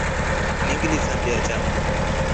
Ini ngilisambia chamu.